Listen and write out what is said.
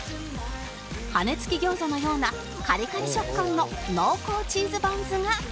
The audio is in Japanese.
羽根付き餃子のようなカリカリ食感の濃厚チーズバンズが完成